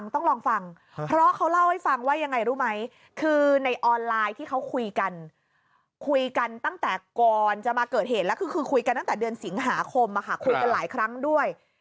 ต้องลองฟังเพราะเขาเล่าให้ฟังว่ายังไงรู้ไหมคือในออนไลน์ที่เขาคุยกันคุยกันตั้งแต่ก่อนจะมาเกิดเหตุแล้วคือคุยกันตั้งแต่เดือนสิงหาคมคุยกันหลายครั้งด้วย